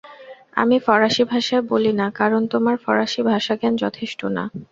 আমি ফরাসি ভাষায় বলি না কারণ তোমার ফরাসি ভাষাজ্ঞান যথেষ্ট না।